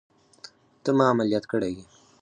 ته ما عمليات کړى يې.